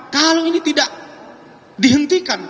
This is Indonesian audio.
kalau ini tidak dihentikan